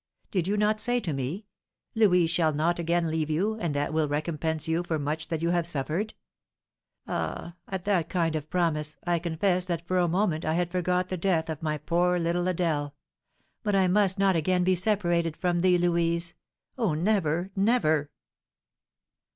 Did you not say to me, 'Louise shall not again leave you, and that will recompense you for much that you have suffered?' Ah! at that kind promise, I confess that for a moment I had forgot the death of my poor little Adèle; but I must not again be separated from thee, Louise, oh, never, never!"